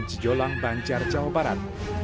jijolang banjar jawa barat